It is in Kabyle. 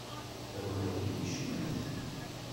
Awal-agi yecmet.